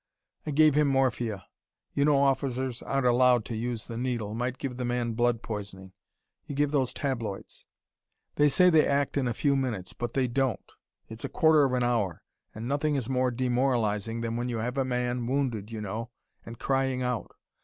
I gave him morphia. You know officers aren't allowed to use the needle might give the man blood poisoning. You give those tabloids. They say they act in a few minutes, but they DON'T. It's a quarter of an hour. And nothing is more demoralising than when you have a man, wounded, you know, and crying out.